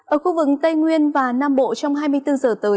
ở khu vực tây nguyên và nam bộ trong hai mươi bốn giờ tới